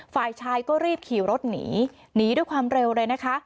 ฝ่ายชายก็รีบขี่รถหนีหนีด้วยความเร็วเลยนะคะ